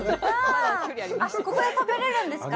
あ、ここで食べれるんですか？